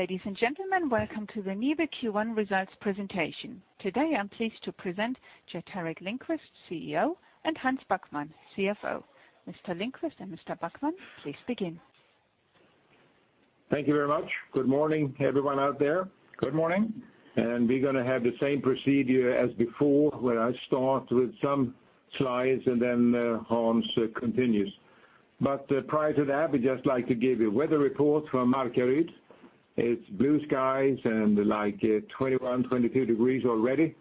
Ladies and gentlemen, welcome to the NIBE Q1 results presentation. Today, I am pleased to present Gerteric Lindquist, CEO, and Hans Backman, CFO. Mr. Lindquist and Mr. Backman, please begin. Thank you very much. Good morning, everyone out there. Good morning. We're going to have the same procedure as before, where I start with some slides and then Hans continues. Prior to that, we'd just like to give you a weather report from Markaryd. It's blue skies and 21, 22 degrees already.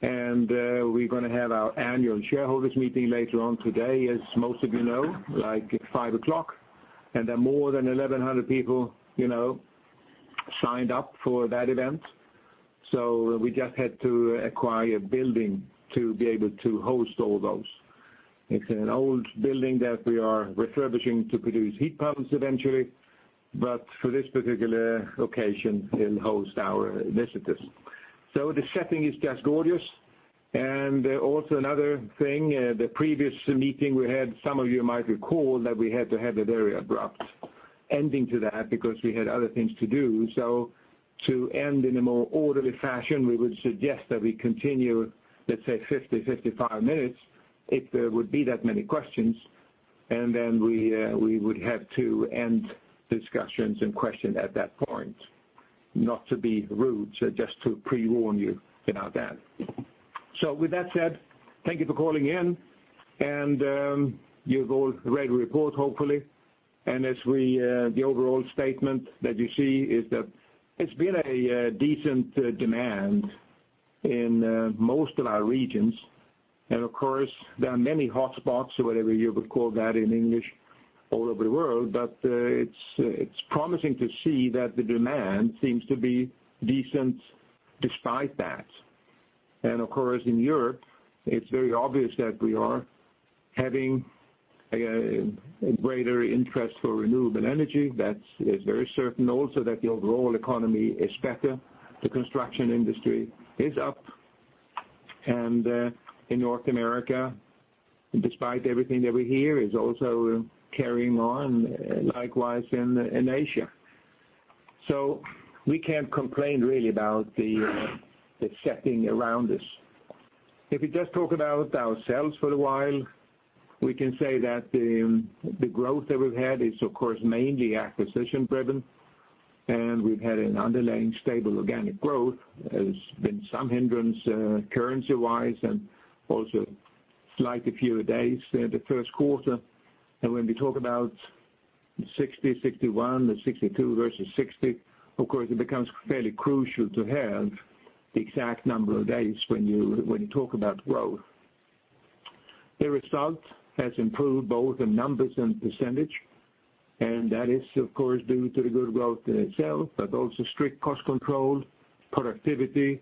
We're going to have our annual shareholders' meeting later on today, as most of you know, at 5:00 P.M. There are more than 1,100 people signed up for that event. We just had to acquire a building to be able to host all those. It's an old building that we are refurbishing to produce heat pumps eventually, but for this particular occasion, it'll host our visitors. The setting is just gorgeous. Also another thing, the previous meeting we had, some of you might recall that we had to have a very abrupt ending to that because we had other things to do. So to end in a more orderly fashion, we would suggest that we continue, let's say, 50-55 minutes, if there would be that many questions, and then we would have to end discussions and questions at that point. Not to be rude, so just to pre-warn you about that. With that said, thank you for calling in, you've all read the report, hopefully. The overall statement that you see is that it's been a decent demand in most of our regions. Of course, there are many hotspots, or whatever you would call that in English, all over the world. It's promising to see that the demand seems to be decent despite that. Of course, in Europe, it's very obvious that we are having a greater interest for renewable energy. That is very certain also that the overall economy is better. The construction industry is up. In North America, despite everything that we hear, is also carrying on, likewise in Asia. We can't complain really about the setting around us. If we just talk about ourselves for a while, we can say that the growth that we've had is, of course, mainly acquisition driven, we've had an underlying stable organic growth. There's been some hindrance currency-wise and also slightly fewer days the first quarter. When we talk about 60, 61, the 62 versus 60, of course, it becomes fairly crucial to have the exact number of days when you talk about growth. The result has improved both in numbers and percentage. That is, of course, due to the good growth in itself, but also strict cost control, productivity,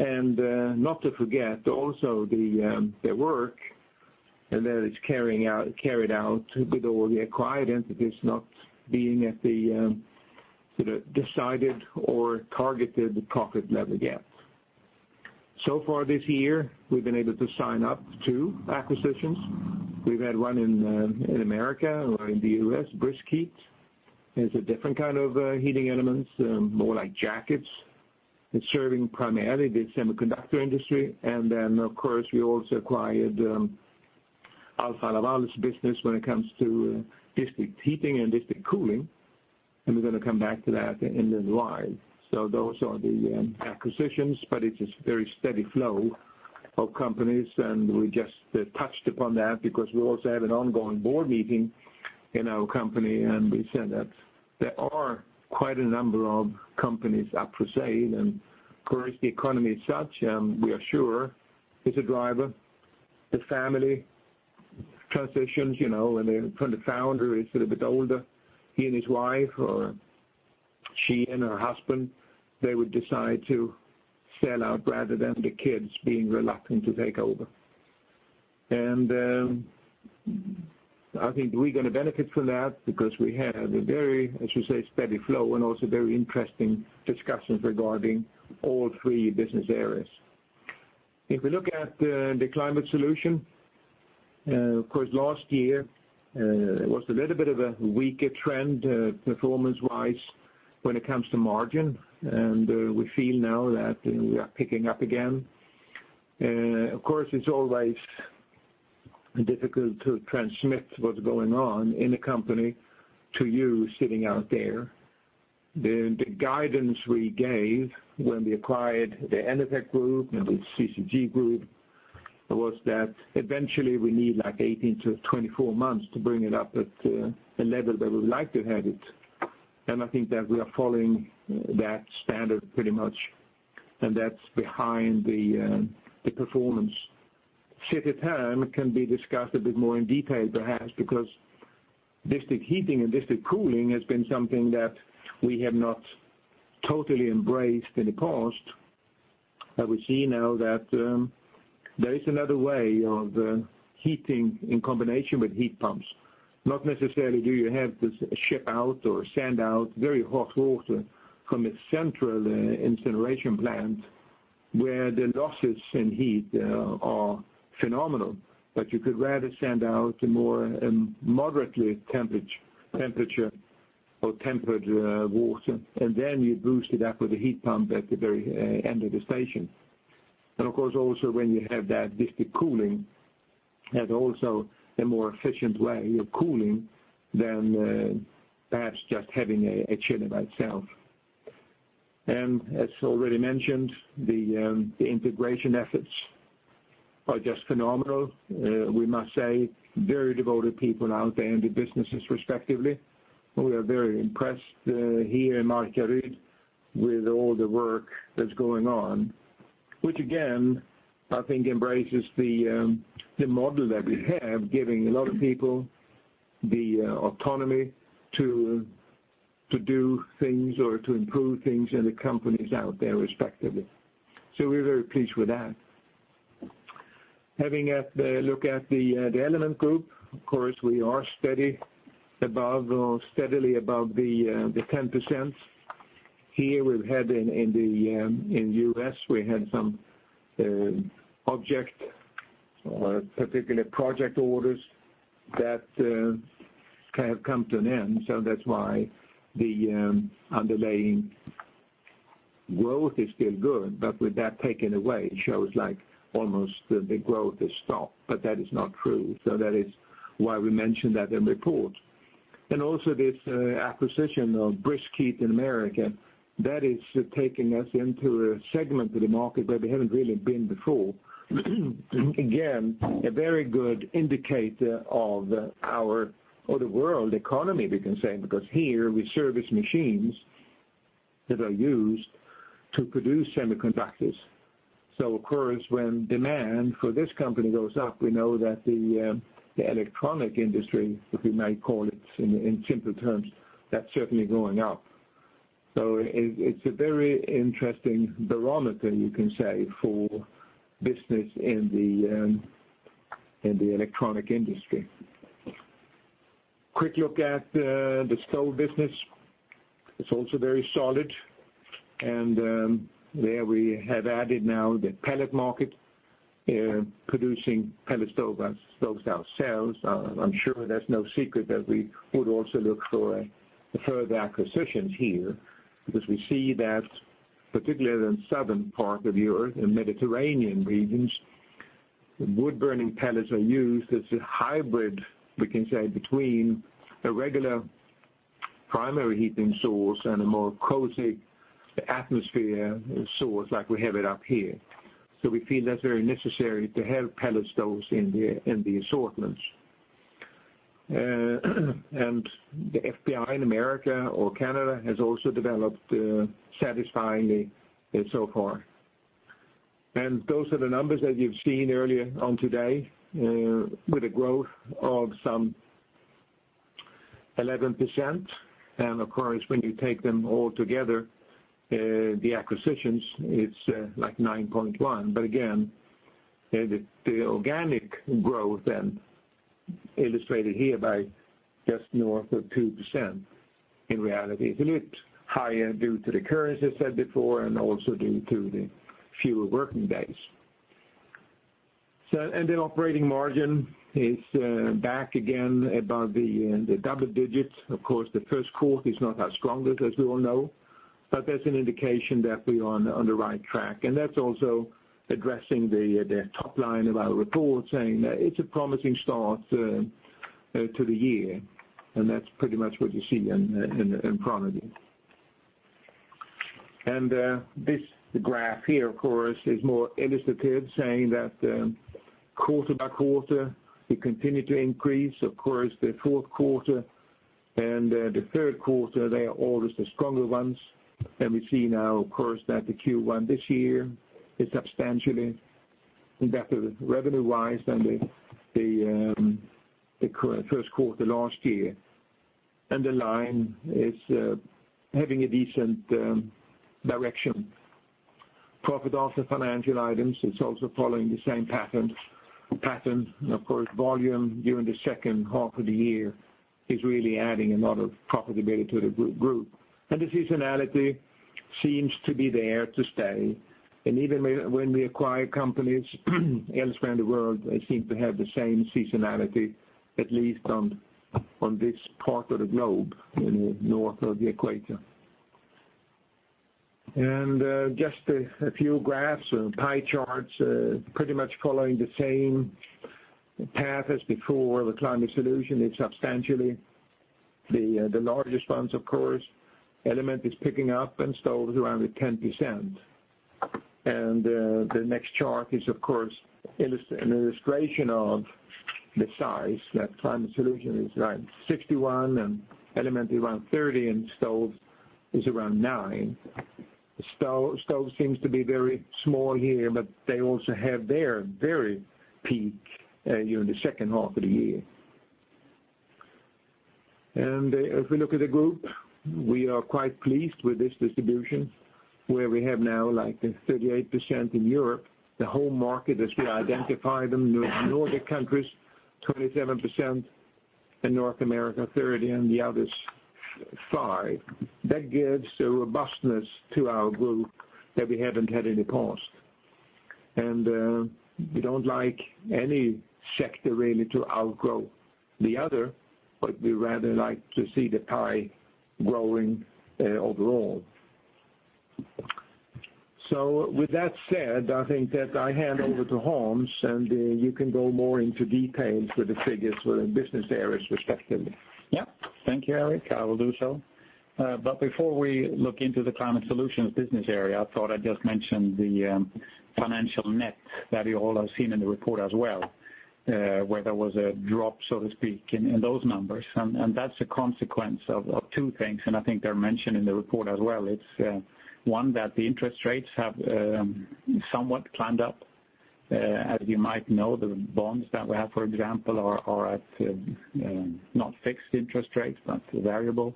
not to forget also the work that it's carried out with all the acquired entities not being at the decided or targeted profit level yet. Far this year, we've been able to sign up two acquisitions. We've had one in America or in the U.S., BriskHeat. It's a different kind of heating elements, more like jackets. It's serving primarily the semiconductor industry. Then, of course, we also acquired Alfa Laval's business when it comes to district heating and district cooling, and we're going to come back to that in the slides. Those are the acquisitions. It is a very steady flow of companies. We just touched upon that because we also have an ongoing board meeting in our company. We said that there are quite a number of companies up for sale. Of course, the economy is such, we are sure is a driver. The family transitions, when the founder is a bit older, he and his wife or she and her husband, they would decide to sell out rather than the kids being reluctant to take over. I think we're going to benefit from that because we have a very, I should say, steady flow and also very interesting discussions regarding all three business areas. If we look at the Climate Solutions, of course last year, it was a little bit of a weaker trend performance-wise when it comes to margin. We feel now that we are picking up again. Of course, it's always difficult to transmit what's going on in a company to you sitting out there. The guidance we gave when we acquired the Enertech Group and the CCG group was that eventually we need 18-24 months to bring it up at a level that we would like to have it. I think that we are following that standard pretty much. That's behind the performance. Shift in term can be discussed a bit more in detail, perhaps, because district heating and district cooling has been something that we have not totally embraced in the past. We see now that there is another way of heating in combination with heat pumps. Not necessarily do you have to ship out or send out very hot water from a central incineration plant where the losses in heat are phenomenal. You could rather send out a more moderately temperature or tempered water. Then you boost it up with a heat pump at the very end of the station. Of course, also when you have that district cooling, has also a more efficient way of cooling than perhaps just having a chiller by itself. As already mentioned, the integration efforts are just phenomenal. We must say, very devoted people out there in the businesses respectively. We are very impressed here in Markaryd with all the work that's going on, which again, I think embraces the model that we have, giving a lot of people the autonomy to do things or to improve things in the companies out there respectively. We're very pleased with that. Having a look at the Element Group, of course, we are steadily above the 10%. Here we've had in U.S., we had some object or particular project orders that have come to an end. That's why the underlying growth is still good. But with that taken away, it shows like almost the growth has stopped, but that is not true. That is why we mentioned that in report. This acquisition of BriskHeat in America, that is taking us into a segment of the market where we haven't really been before. Again, a very good indicator of our, or the world economy, we can say, because here we service machines that are used to produce semiconductors. Of course, when demand for this company goes up, we know that the electronic industry, if we may call it in simpler terms, that's certainly going up. It's a very interesting barometer, you can say, for business in the electronic industry. Quick look at the stove business. It's also very solid. There we have added now the pellet market, producing pellet stoves ourselves. I'm sure that's no secret that we would also look for further acquisitions here, because we see that particularly in the southern part of Europe and Mediterranean regions, wood-burning pellets are used as a hybrid, we can say, between a regular primary heating source and a more cozy atmosphere source like we have it up here. We feel that's very necessary to have pellet stoves in the assortments. The FPI in America or Canada has also developed satisfyingly so far. Those are the numbers that you've seen earlier on today, with a growth of some 11%. Of course, when you take them all together, the acquisitions, it's like 9.1%. But again, the organic growth then illustrated here by just north of 2%, in reality is a little higher due to the currency I said before, and also due to the fewer working days. The operating margin is back again above the double digits. Of course, the first quarter is not as strong as we all know, but that's an indication that we are on the right track. That's also addressing the top line of our report saying that it's a promising start to the year, and that's pretty much what you see in chronology. This graph here, of course, is more illustrative, saying that quarter by quarter, we continue to increase. Of course, the fourth quarter and the third quarter, they are always the stronger ones. We see now, of course, that the Q1 this year is substantially better revenue-wise than the first quarter last year. The line is having a decent direction. Profit after financial items, it's also following the same pattern. Of course, volume during the second half of the year is really adding a lot of profitability to the group. The seasonality seems to be there to stay. Even when we acquire companies elsewhere in the world, they seem to have the same seasonality, at least on this part of the globe, in the north of the equator. Just a few graphs or pie charts, pretty much following the same path as before. The NIBE Climate Solutions is substantially the largest ones, of course. NIBE Element is picking up and Stoves around 10%. The next chart is, of course, an illustration of the size that NIBE Climate Solutions is around 61%, and NIBE Element is around 30%, and Stoves is around 9%. Stoves seems to be very small here, but they also have their very peak during the second half of the year. If we look at the group, we are quite pleased with this distribution, where we have now 38% in Europe, the home market as we identify them. Nordic countries, 27%. North America 3rd, and the others 5%. That gives a robustness to our group that we haven't had in the past. We don't like any sector really to outgrow the other, but we rather like to see the pie growing overall. With that said, I think that I hand over to Hans, and you can go more into details with the figures within business areas respectively. Yes. Thank you, Eric. I will do so. Before we look into the NIBE Climate Solutions business area, I thought I'd just mention the financial net that you all have seen in the report as well, where there was a drop, so to speak, in those numbers, that's a consequence of two things, I think they're mentioned in the report as well. It's one, that the interest rates have somewhat climbed up. As you might know, the bonds that we have, for example, are at not fixed interest rates, but variable,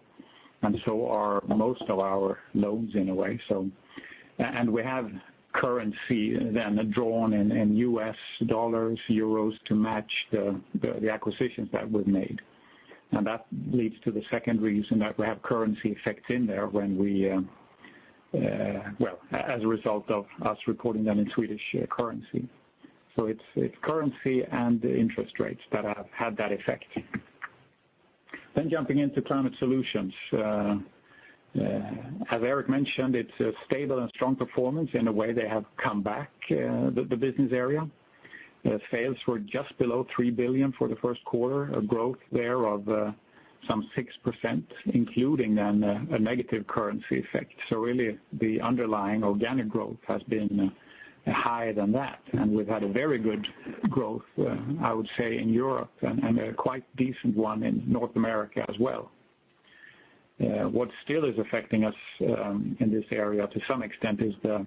so are most of our loans in a way. We have currency then drawn in U.S. dollars, EUR to match the acquisitions that we've made. That leads to the second reason that we have currency effects in there when we Well, as a result of us reporting them in SEK. It's currency and interest rates that have had that effect. Jumping into NIBE Climate Solutions. As Eric mentioned, it's a stable and strong performance. In a way, they have come back, the business area. Sales were just below 3 billion for Q1, a growth there of some 6%, including a negative currency effect. Really the underlying organic growth has been higher than that, we've had a very good growth, I would say, in Europe, a quite decent one in North America as well. What still is affecting us in this area to some extent is the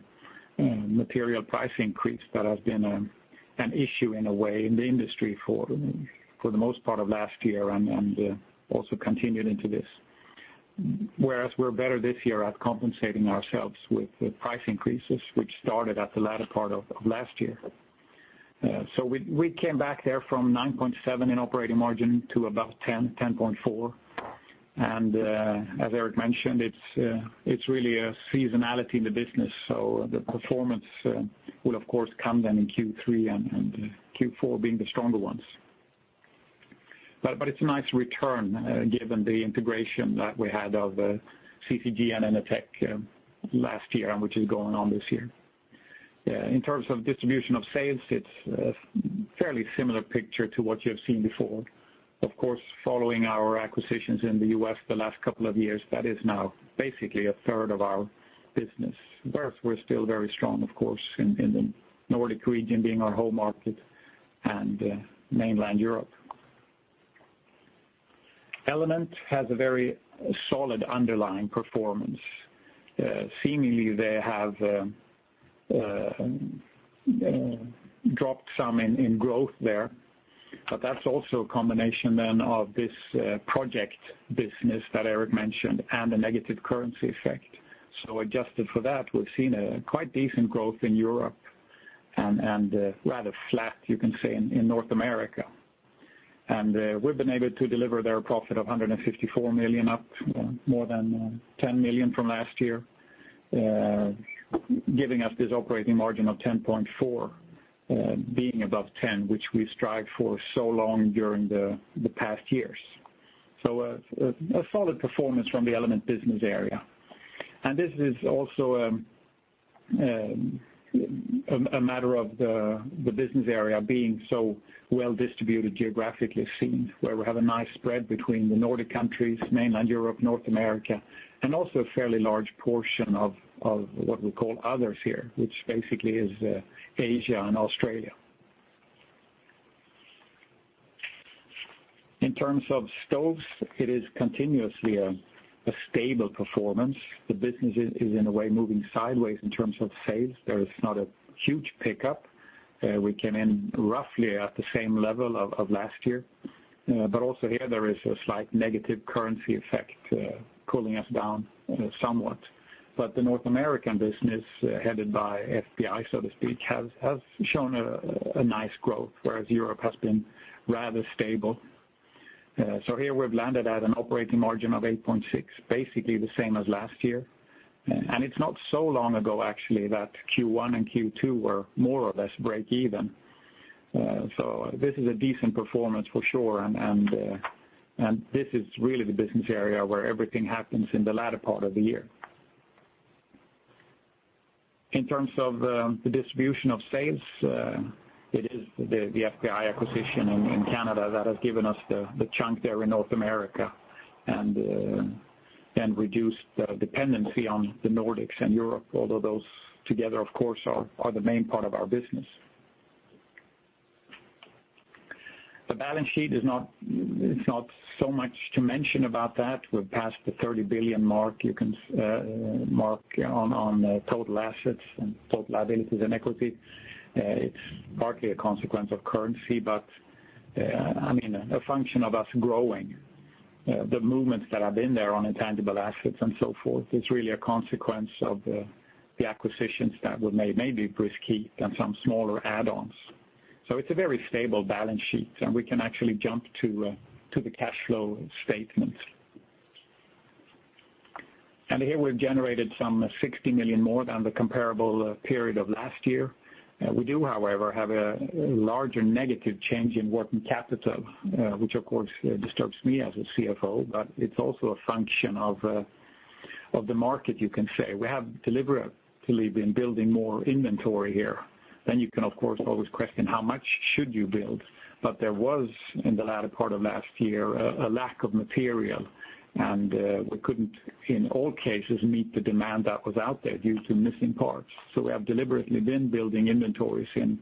material price increase that has been an issue in a way in the industry for the most part of last year and also continued into this. Whereas we're better this year at compensating ourselves with price increases, which started at the latter part of last year. We came back there from 9.7% in operating margin to about 10%, 10.4%, and as Eric mentioned, it's really a seasonality in the business, so the performance will of course come then in Q3 and Q4 being the stronger ones. It's a nice return given the integration that we had of CCG and Enertech last year, and which is going on this year. In terms of distribution of sales, it's a fairly similar picture to what you have seen before. Of course, following our acquisitions in the U.S. the last couple of years, that is now basically a third of our business. We're still very strong, of course, in the Nordic region being our home market and mainland Europe. Element has a very solid underlying performance. Seemingly, they have dropped some in growth there. That's also a combination then of this project business that Eric mentioned and a negative currency effect. Adjusted for that, we've seen a quite decent growth in Europe and rather flat, you can say, in North America. We've been able to deliver there a profit of 154 million, up more than 10 million from last year, giving us this operating margin of 10.4%, being above 10%, which we strived for so long during the past years. A solid performance from the Element business area. This is also a matter of the business area being so well-distributed geographically seen, where we have a nice spread between the Nordic countries, mainland Europe, North America, and also a fairly large portion of what we call Others here, which basically is Asia and Australia. In terms of stoves, it is continuously a stable performance. The business is in a way moving sideways in terms of sales. There is not a huge pickup. We came in roughly at the same level of last year. Also here, there is a slight negative currency effect pulling us down somewhat. The North American business, headed by FPI, so to speak, has shown a nice growth, whereas Europe has been rather stable. Here we've landed at an operating margin of 8.6%, basically the same as last year. It's not so long ago, actually, that Q1 and Q2 were more or less break even. This is a decent performance for sure, and this is really the business area where everything happens in the latter part of the year. In terms of the distribution of sales, it is the FPI acquisition in Canada that has given us the chunk there in North America and reduced the dependency on the Nordics and Europe, although those together, of course, are the main part of our business. The balance sheet is not so much to mention about that. We're past the 30 billion mark on total assets and total liabilities and equity. It's partly a consequence of currency. A function of us growing. The movements that have been there on intangible assets and so forth is really a consequence of the acquisitions that were made, mainly BriskHeat and some smaller add-ons. It's a very stable balance sheet, and we can actually jump to the cash flow statement. Here we've generated some 60 million more than the comparable period of last year. We do, however, have a larger negative change in working capital, which of course, disturbs me as a CFO, but it's also a function of the market, you can say. We have deliberately been building more inventory here. You can, of course, always question how much should you build. There was, in the latter part of last year, a lack of material, and we couldn't, in all cases, meet the demand that was out there due to missing parts. We have deliberately been building inventories in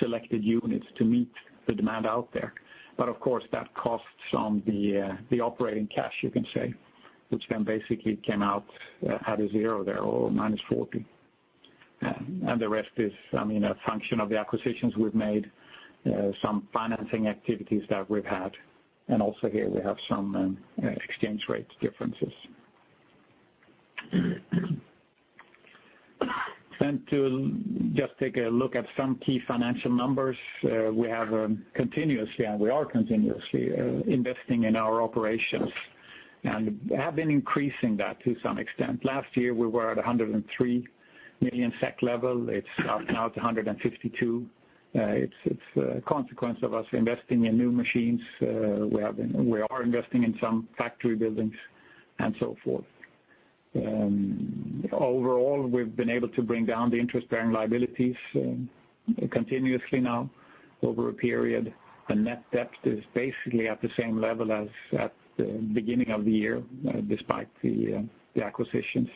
selected units to meet the demand out there. Of course, that costs on the operating cash, you can say, which then basically came out at a zero there or -40. The rest is a function of the acquisitions we've made, some financing activities that we've had, and also here we have some exchange rate differences. To just take a look at some key financial numbers, we have continuously, and we are continuously investing in our operations and have been increasing that to some extent. Last year we were at 103 million SEK level. It's up now to 152 million. It's a consequence of us investing in new machines. We are investing in some factory buildings and so forth. Overall, we've been able to bring down the interest-bearing liabilities continuously now over a period. The net debt is basically at the same level as at the beginning of the year despite the acquisitions.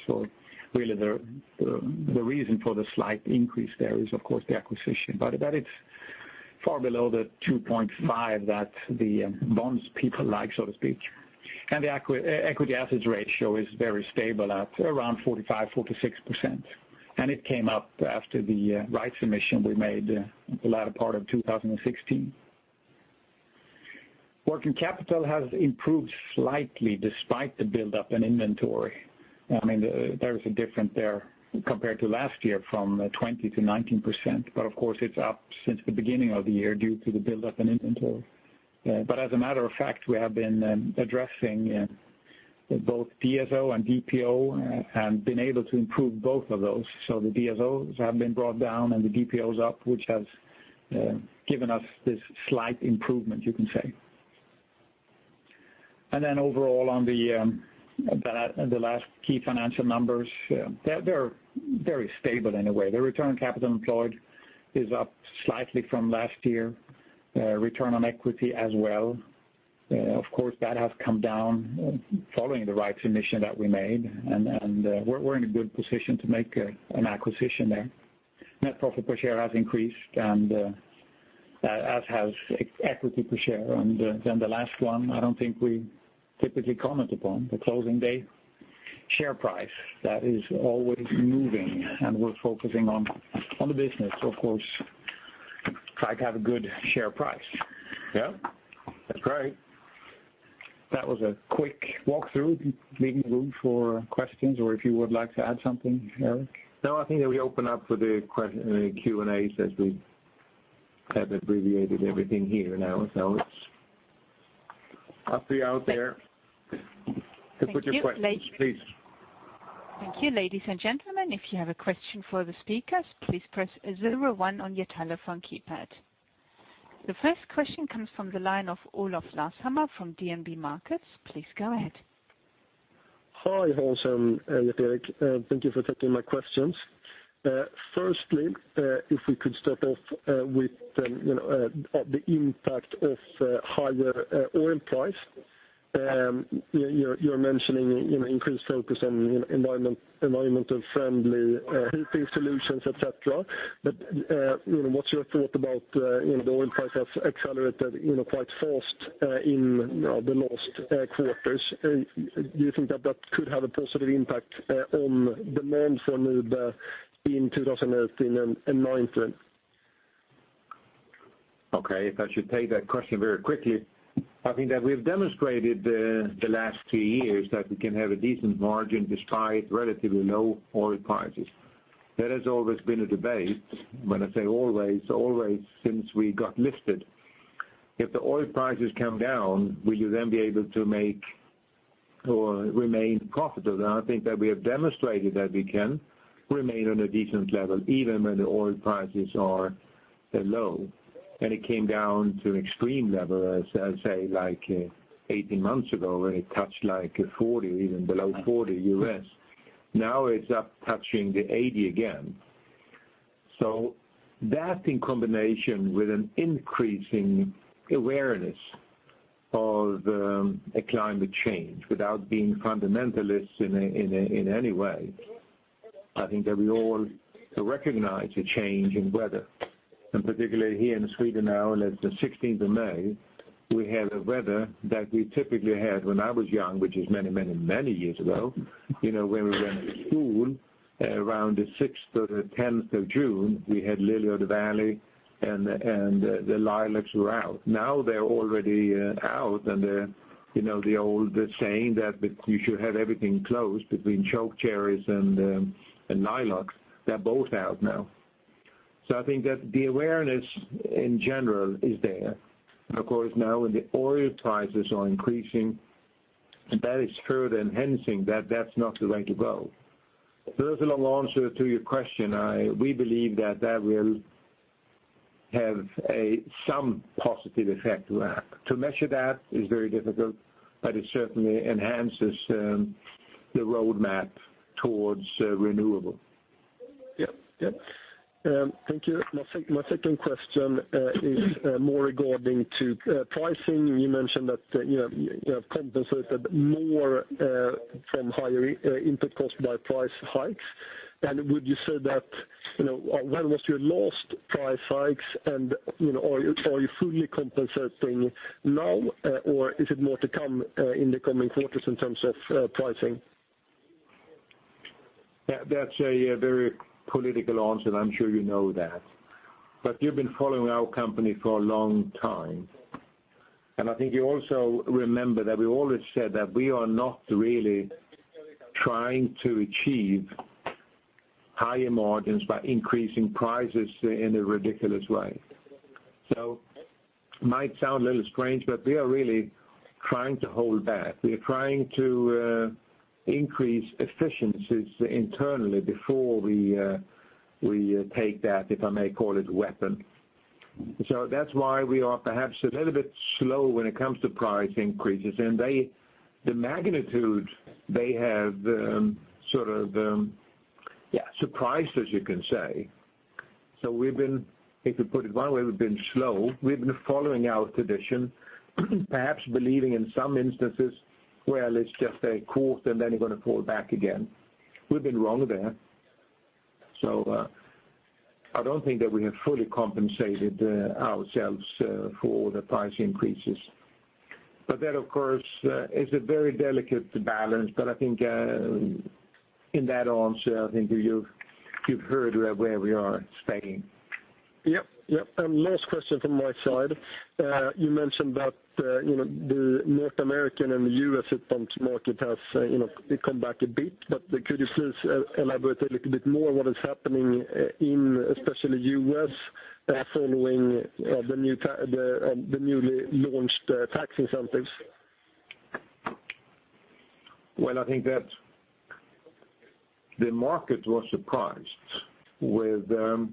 Really the reason for the slight increase there is, of course, the acquisition. That is far below the 2.5 that the bonds people like, so to speak. The equity assets ratio is very stable at around 45%, 46%, and it came up after the rights emission we made the latter part of 2016. Working capital has improved slightly despite the buildup in inventory. There is a difference there compared to last year from 20% to 19%, but of course it's up since the beginning of the year due to the buildup in inventory. As a matter of fact, we have been addressing both DSO and DPO and been able to improve both of those. The DSOs have been brought down and the DPOs up, which has given us this slight improvement, you can say. Overall on the last key financial numbers, they are very stable in a way. The return on capital employed is up slightly from last year, return on equity as well. Of course, that has come down following the rights emission that we made, and we're in a good position to make an acquisition there. Net profit per share has increased, and as has equity per share. The last one, I don't think we typically comment upon the closing day share price. That is always moving, and we're focusing on the business, of course, try to have a good share price. Yeah, that's great. That was a quick walkthrough, leaving room for questions or if you would like to add something, Eric. I think that we open up for the Q&A, since we have abbreviated everything here now. I'll see out there to put your questions, please. Thank you. Ladies and gentlemen, if you have a question for the speakers, please press zero one on your telephone keypad. The first question comes from the line of Olof Larshammar from DNB Markets. Please go ahead. Hi, Hans and Eric. Thank you for taking my questions. Firstly, if we could start off with the impact of higher oil price. You are mentioning increased focus on environmentally friendly heating solutions, et cetera, what is your thought about the oil price has accelerated quite fast in the last quarters? Do you think that that could have a positive impact on demand for NIBE in 2018 and 2019? Okay. If I should take that question very quickly, I think that we have demonstrated the last two years that we can have a decent margin despite relatively low oil prices. That has always been a debate. When I say always since we got listed. If the oil prices come down, will you then be able to make or remain profitable? I think that we have demonstrated that we can remain on a decent level even when the oil prices are low, and it came down to an extreme level, as I say, like 18 months ago, when it touched like 40, even below 40. Now it is up touching the 80 again. That in combination with an increasing awareness of a climate change without being fundamentalists in any way. I think that we all recognize a change in weather Particularly here in Sweden now, the 16th of May, we have the weather that we typically had when I was young, which is many years ago. When we went to school around the 6th to the 10th of June, we had lily of the valley and the lilacs were out. Now they are already out, and the old saying that you should have everything closed between choke cherries and lilacs, they are both out now. I think that the awareness in general is there. Of course, now when the oil prices are increasing, and that is further enhancing that is not the way to go. There is a long answer to your question. We believe that that will have some positive effect. To measure that is very difficult, but it certainly enhances the roadmap towards renewable. Yeah. Thank you. My second question is more regarding to pricing. You mentioned that you have compensated more from higher input cost by price hikes. Would you say that, when was your last price hikes? Are you fully compensating now or is it more to come in the coming quarters in terms of pricing? That's a very political answer, I'm sure you know that. You've been following our company for a long time, and I think you also remember that we always said that we are not really trying to achieve higher margins by increasing prices in a ridiculous way. Might sound a little strange, but we are really trying to hold back. We are trying to increase efficiencies internally before we take that, if I may call it a weapon. That's why we are perhaps a little bit slow when it comes to price increases. The magnitude, they have sort of surprised, as you can say. If you put it one way, we've been slow. We've been following our tradition, perhaps believing in some instances, well, it's just a quarter and then you're going to pull back again. We've been wrong there. I don't think that we have fully compensated ourselves for the price increases. That, of course, is a very delicate balance. I think in that answer, I think you've heard where we are staying. Yep. Last question from my side. You mentioned that the North American and the European heat pump market has come back a bit, but could you please elaborate a little bit more what is happening in especially U.S. following the newly launched tax incentives? Well, I think that the market was surprised with the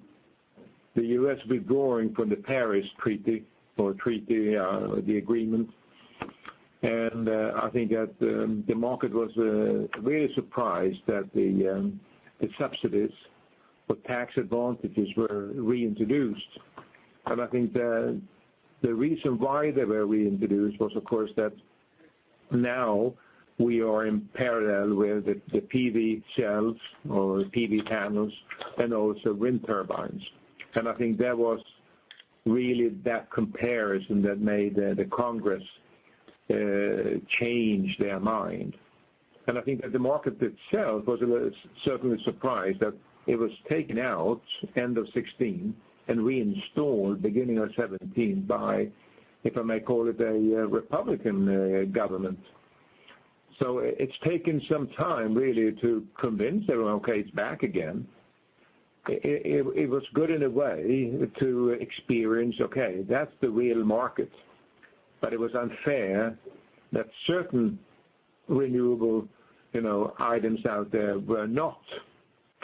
U.S. withdrawing from the Paris Agreement or the agreement. I think that the market was really surprised that the subsidies or tax advantages were reintroduced. I think the reason why they were reintroduced was, of course, that now we are in parallel with the PV cells or PV panels and also wind turbines. I think that was really that comparison that made the Congress change their mind. I think that the market itself was certainly surprised that it was taken out end of 2016 and reinstalled beginning of 2017 by, if I may call it, a Republican government. It's taken some time really to convince everyone, okay, it's back again. It was good in a way to experience, okay, that's the real market. It was unfair that certain renewable items out there were not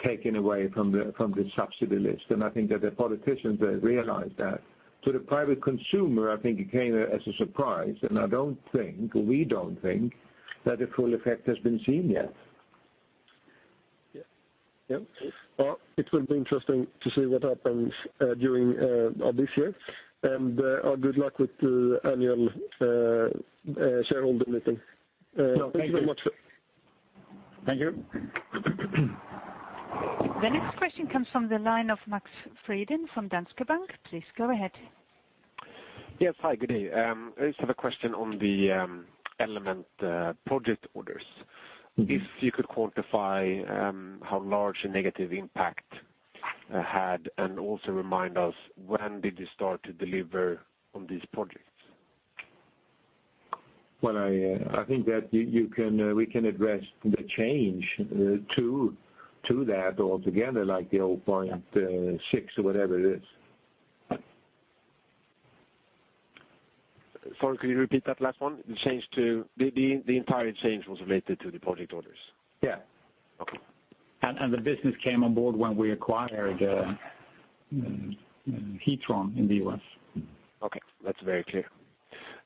taken away from the subsidy list, I think that the politicians realized that. To the private consumer, I think it came as a surprise, we don't think that the full effect has been seen yet. Yeah. Well, it will be interesting to see what happens during this year. Good luck with the annual shareholder meeting. Thank you. Thank you very much. Thank you. The next question comes from the line of Max Mitteregger from Danske Bank. Please go ahead. Yes, hi. Good day. I just have a question on the Element project orders. If you could quantify how large a negative impact had, and also remind us when did you start to deliver on these projects? Well, I think that we can address the change to that altogether, like the 0.6 or whatever it is. Sorry, could you repeat that last one? The entire change was related to the project orders. Yeah. Okay. The business came on board when we acquired Heatron in the U.S. Okay, that's very clear.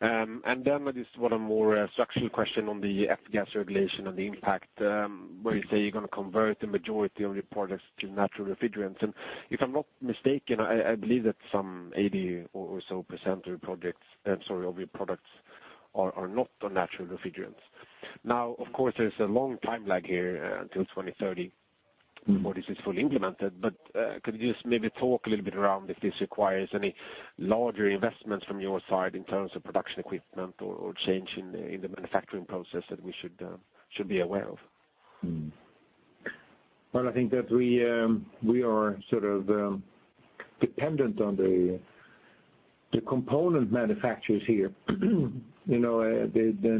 This one, a more structural question on the F-gas Regulation and the impact, where you say you're going to convert the majority of your products to natural refrigerants. If I'm not mistaken, I believe that some 80 or so % of your products are not on natural refrigerants. Of course, there's a long time lag here until 2030 before this is fully implemented. Could you just maybe talk a little bit around if this requires any larger investments from your side in terms of production equipment or change in the manufacturing process that we should be aware of? I think that we are dependent on the component manufacturers here. The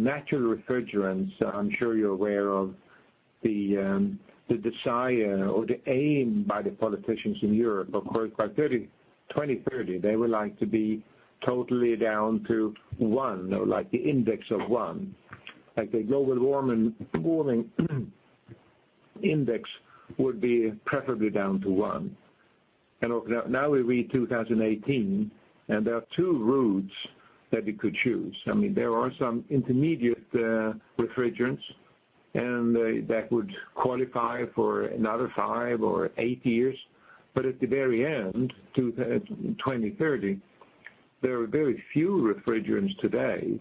natural refrigerants, I'm sure you're aware of the desire or the aim by the politicians in Europe, of course, by 2030, they would like to be totally down to one, like the index of one. Like the Global Warming Potential would be preferably down to one. Now we read 2018, and there are two routes that we could choose. There are some intermediate refrigerants, and that would qualify for another five or eight years. At the very end, 2030, there are very few refrigerants today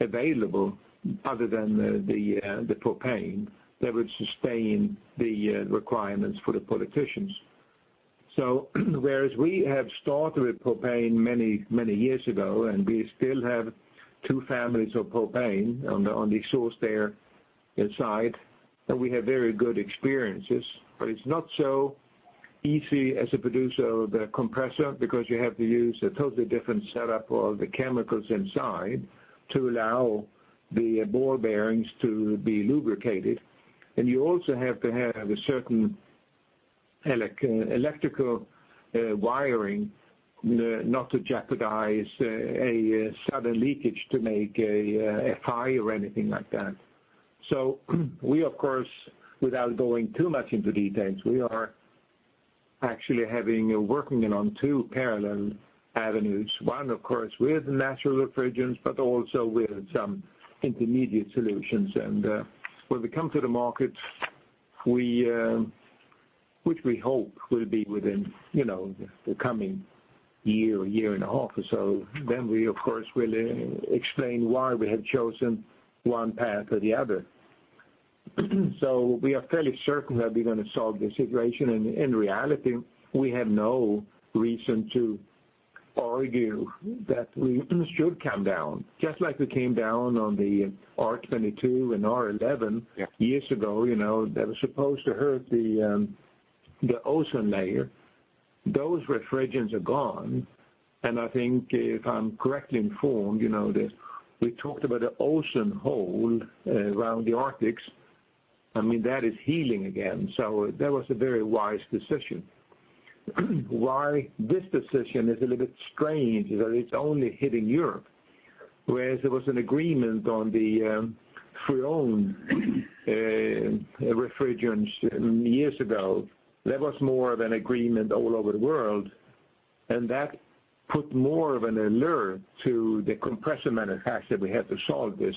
available, other than the propane, that would sustain the requirements for the politicians. Whereas we have started with propane many years ago, and we still have two families of propane on the source there inside, and we have very good experiences. It's not so easy as a producer of the compressor, because you have to use a totally different setup of the chemicals inside to allow the ball bearings to be lubricated. You also have to have a certain electrical wiring, not to jeopardize a sudden leakage to make a fire or anything like that. We of course, without going too much into details, we are actually working on two parallel avenues. One, of course, with natural refrigerants, but also with some intermediate solutions. When we come to the market, which we hope will be within the coming year and a half or so, then we, of course, will explain why we have chosen one path or the other. We are fairly certain that we're going to solve the situation, and in reality, we have no reason to argue that we should come down, just like we came down on the R22 and R11 years ago, that was supposed to hurt the ozone layer. Those refrigerants are gone, and I think if I'm correctly informed, we talked about the ozone hole around the Antarctic. That is healing again. That was a very wise decision. Why this decision is a little bit strange is that it's only hitting Europe, whereas there was an agreement on the Freon refrigerants years ago. That was more of an agreement all over the world, and that put more of an allure to the compressor manufacturer, we have to solve this.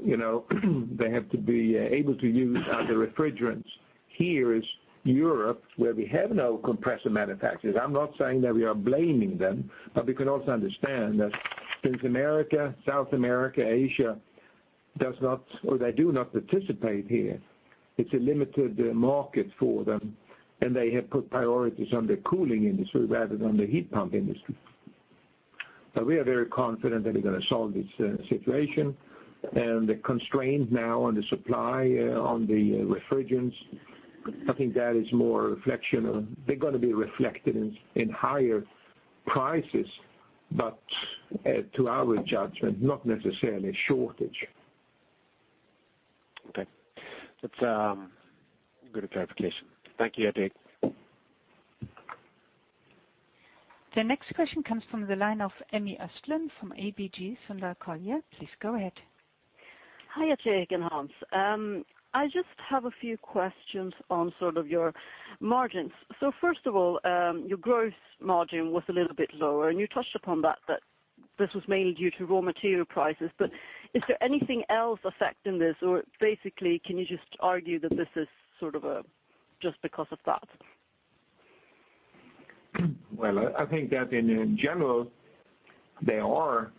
They have to be able to use other refrigerants. Here is Europe, where we have no compressor manufacturers. I'm not saying that we are blaming them, but we can also understand that since America, South America, Asia do not participate here, it's a limited market for them, and they have put priorities on the cooling industry rather than the heat pump industry. We are very confident that we're going to solve this situation, and the constraint now on the supply on the refrigerants, I think that is more reflection on, they're going to be reflected in higher prices, but to our judgment, not necessarily a shortage. Okay. That's a good clarification. Thank you, Gerteric. The next question comes from the line of Emmy Östlin from ABG Sundal Collier. Please go ahead. Hi, Gerteric and Hans. I just have a few questions on your margins. First of all, your gross margin was a little bit lower, and you touched upon that this was mainly due to raw material prices. Is there anything else affecting this, or basically, can you just argue that this is just because of that? Well, I think that in general, there are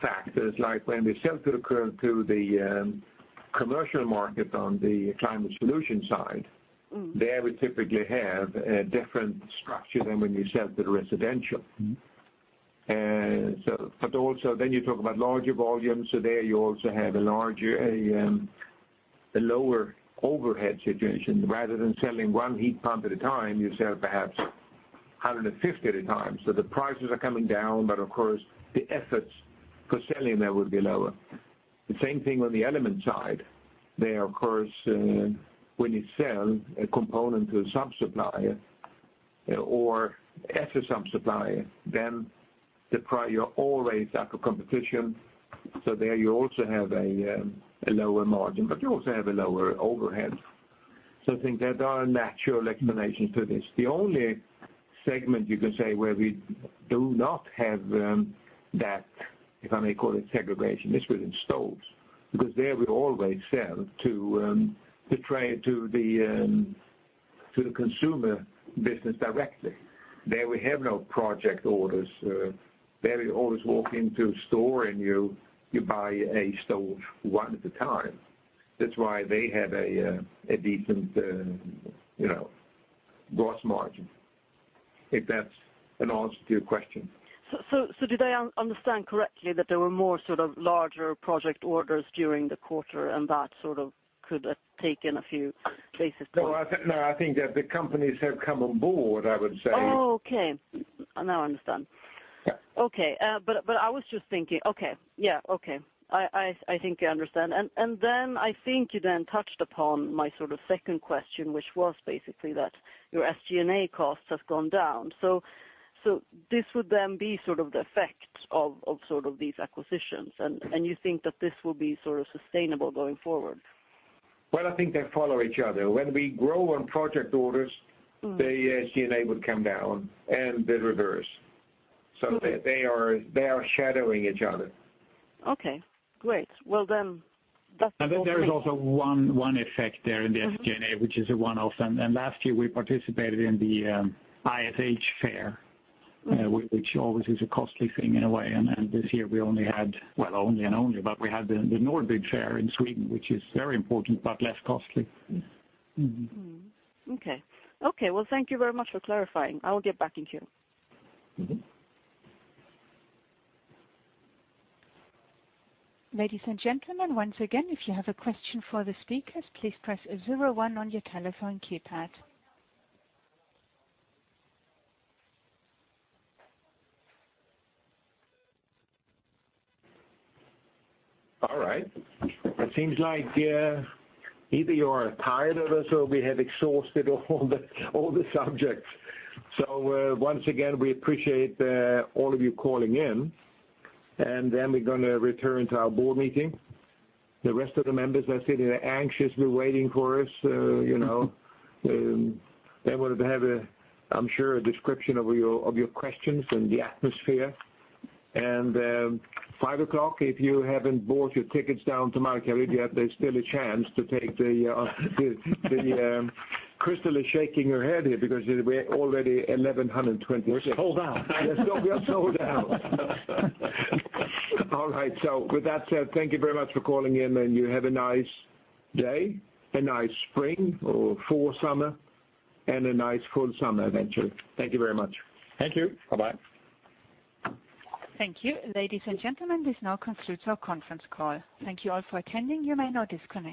factors like when we sell to the commercial market on the NIBE Climate Solutions side, there we typically have a different structure than when you sell to the residential. Also you talk about larger volumes, there you also have a lower overhead situation. Rather than selling one heat pump at a time, you sell perhaps 150 at a time. The prices are coming down, but of course, the efforts for selling there will be lower. The same thing on the NIBE Element side. There, of course, when you sell a component to a sub-supplier or as a sub-supplier, then you're always up for competition. There you also have a lower margin, but you also have a lower overhead. I think there are natural explanations to this. The only segment you can say where we do not have that, if I may call it segregation, is within stoves. There we always sell to the consumer business directly. There we have no project orders. There you always walk into a store and you buy a stove one at a time. That's why they have a decent gross margin. If that's an answer to your question. Did I understand correctly that there were more larger project orders during the quarter and that could take in a few basis points? No, I think that the companies have come on board, I would say. Okay. Now I understand. Yeah. Okay. I was just thinking. Okay. Yeah. Okay. I think I understand. I think you then touched upon my second question, which was basically that your SG&A costs have gone down. This would then be the effect of these acquisitions, and you think that this will be sustainable going forward? I think they follow each other. When we grow on project orders. The SG&A would come down and the reverse. They are shadowing each other. Okay, great. That's all for me. There is also one effect there in the SG&A, which is a one-off. Last year we participated in the ISH fair, which always is a costly thing in a way. This year we only had, well, only and only, we had the Nordbygg fair in Sweden, which is very important, less costly. Mm-hmm. Okay. Well, thank you very much for clarifying. I will get back in queue. Ladies and gentlemen, once again, if you have a question for the speakers, please press zero one on your telephone keypad. All right. It seems like, either you are tired of us or we have exhausted all the subjects. Once again, we appreciate all of you calling in, we're going to return to our board meeting. The rest of the members are sitting anxiously waiting for us. They would have, I'm sure, a description of your questions and the atmosphere. Five o'clock, if you haven't bought your tickets down to Mallorca yet, there's still a chance to take the, Christel is shaking her head here because we're already 1,126. We're sold out. We are sold out. All right. With that said, thank you very much for calling in, and you have a nice day, a nice spring or foresummer, and a nice full summer eventually. Thank you very much. Thank you. Bye-bye. Thank you. Ladies and gentlemen, this now concludes our conference call. Thank you all for attending. You may now disconnect.